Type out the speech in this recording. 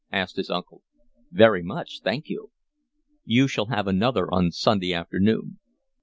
asked his uncle. "Very much, thank you." "You shall have another one on Sunday afternoon."